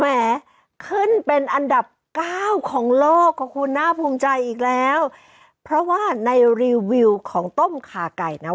แหมขึ้นเป็นอันดับเก้าของโลกขอบคุณน่าภูมิใจอีกแล้วเพราะว่าในรีวิวของต้มขาไก่นะ